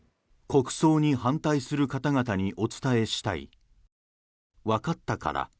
国葬に反対する方々にお伝えしたいわかったから。